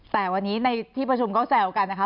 แต่วันนี้ในที่ประชุมก็แซวกันนะคะ